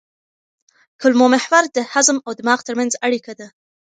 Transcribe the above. کولمو محور د هضم او دماغ ترمنځ اړیکه ده.